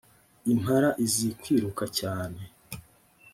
impala izikwiruka cyane.